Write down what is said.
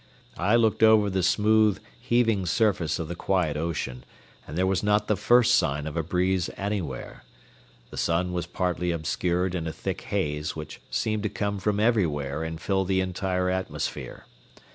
I looked over the smooth, heaving surface of the quiet ocean, and there was not the first sign of a breeze anywhere. The sun was partly obscured in a thick haze which seemed to come from everywhere and fill the entire atmosphere.